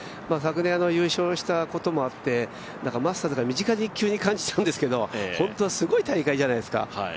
昨年、優勝したこともあってマスターズが身近に急に感じたんですけど本当はすごい大会じゃないですか。